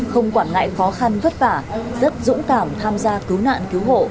không quản ngại khó khăn vất vả rất dũng cảm tham gia cứu nạn cứu hộ